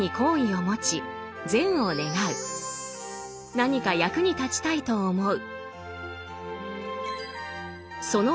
何か役に立ちたいと思う。